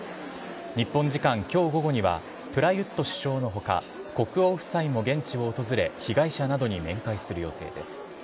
日本時間今日午後にはプラユット首相の他国王夫妻も現地を訪れ被害者などに面会する予定です。